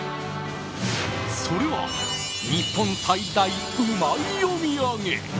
それは、日本三大うまいおみやげ。